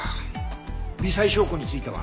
微細証拠については？